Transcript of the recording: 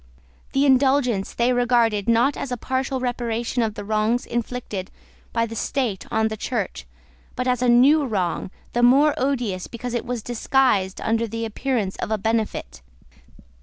The Indulgence they regarded, not as a partial reparation of the wrongs inflicted by the State on the Church, but as a new wrong, the more odious because it was disguised under the appearance of a benefit.